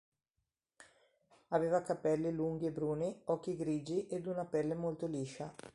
Aveva capelli lunghi e bruni, occhi grigi ed una pelle molto liscia.